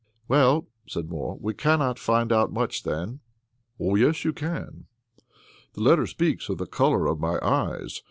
"Well," said Moore, "we cannot find out much then." "Oh, yes, you can." "The letter speaks of the color of my eyes.